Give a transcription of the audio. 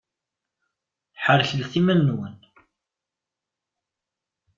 Ḥreklet iman-nwen!